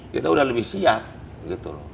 kita udah lebih siap gitu loh